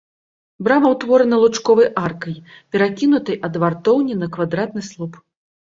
Брама ўтворана лучковай аркай, перакінутай ад вартоўні на квадратны слуп.